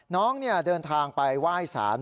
น้องเดินทางไปไหว้สาร